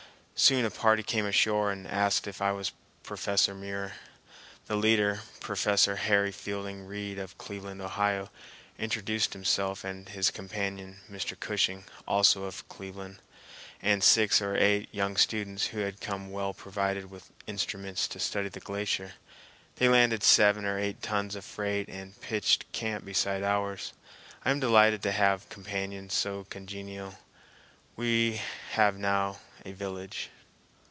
Soon a party came ashore and asked if I was Professor Muir. The leader, Professor Harry Fielding Reid of Cleveland, Ohio, introduced himself and his companion, Mr. Cushing, also of Cleveland, and six or eight young students who had come well provided with instruments to study the glacier. They landed seven or eight tons of freight and pitched camp beside ours. I am delighted to have companions so congenial—we have now a village.